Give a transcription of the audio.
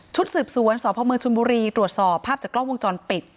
สืบสวนสพเมืองชนบุรีตรวจสอบภาพจากกล้องวงจรปิด